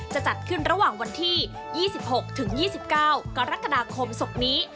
จะจัดขึ้นระหว่างวันที่๒๖ถึง๒๙กรกฎาคมศุกร์นี้